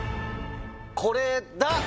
これだ！